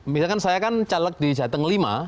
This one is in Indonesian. misalkan saya kan caleg di jateng v